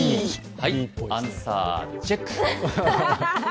はい、アンサーチェック！